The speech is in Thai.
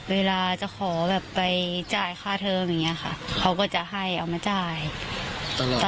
ว่าจับไปจ่ายที่ภาคมหาวิทยาลัยค่ะ